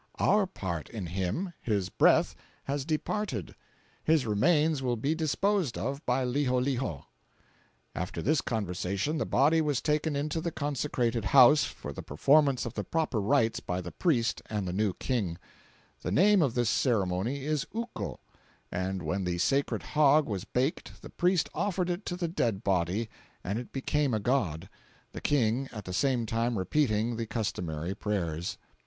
Our part in him—his breath—has departed; his remains will be disposed of by Liholiho.' "After this conversation the body was taken into the consecrated house for the performance of the proper rites by the priest and the new King. The name of this ceremony is uko; and when the sacred hog was baked the priest offered it to the dead body, and it became a god, the King at the same time repeating the customary prayers.